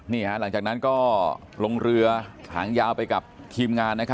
หลังจากนั้นก็ลงเรือหางยาวไปกับทีมงาน